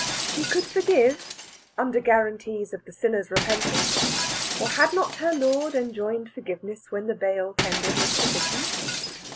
She could forgive, under guarantees of the sinner's repentance; for had not her Lord enjoined forgiveness where the bail tendered was sufficient?